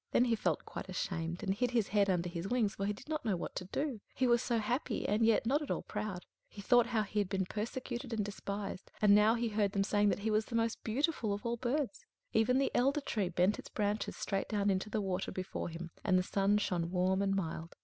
Then he felt quite ashamed, and hid his head under his wings, for he did not know what to do; he was so happy, and yet not at all proud. He thought how he had been persecuted and despised; and now he heard them saying that he was the most beautiful of all birds. Even the elder tree bent its branches straight down into the water before him, and the sun shone warm and mild.